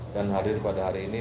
dan hadir pada hari ini